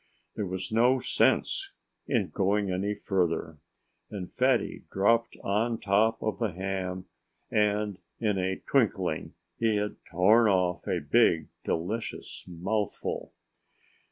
There was no sense in going any further. And Fatty dropped on top of the ham and in a twinkling he had torn off a big, delicious mouthful.